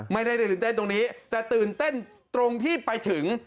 ไม่ได้ตื่นเต้นตรงนี้แต่ตื่นเต้นตรงที่ไปถึง